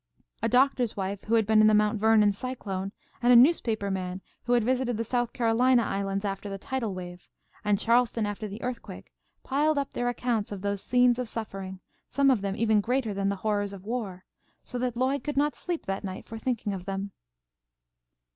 A doctor's wife who had been in the Mt. Vernon cyclone, and a newspaper man who had visited the South Carolina islands after the tidal wave, and Charleston after the earthquake, piled up their accounts of those scenes of suffering, some of them even greater than the horrors of war, so that Lloyd could not sleep that night, for thinking of them.